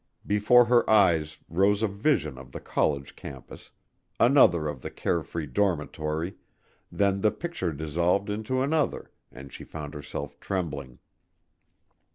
Before her eyes rose a vision of the college campus another of the care free dormitory, then the picture dissolved into another and she found herself trembling.